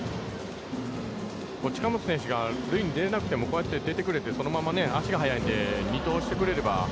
近本選手が塁に出れなくても出てくれてそのまま足が速いんで二盗してくれれば。